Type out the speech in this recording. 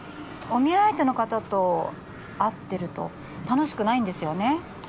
お見合い相手の方と会ってると楽しくないんですよね